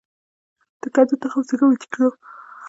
د کدو تخم څنګه وچ کړم؟